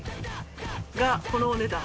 このお値段。